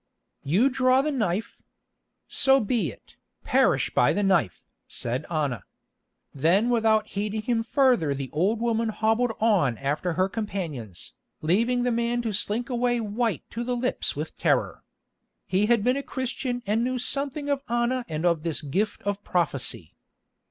"You draw the knife? So be it, perish by the knife!" said Anna. Then without heeding him further the old woman hobbled on after her companions, leaving the man to slink away white to the lips with terror. He had been a Christian and knew something of Anna and of this "gift of prophecy."